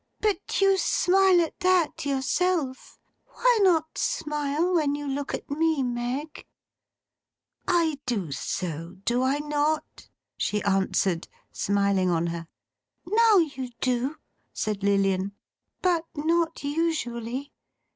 But you smile at that, yourself! Why not smile, when you look at me, Meg?' 'I do so. Do I not?' she answered: smiling on her. 'Now you do,' said Lilian, 'but not usually.